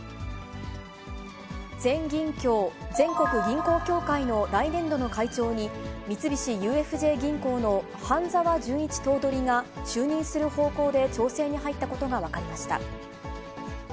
全銀協・全国銀行協会の来年度の会長に、三菱ＵＦＪ銀行の半沢淳一頭取が就任する方向で調整に入ったことが分かりました。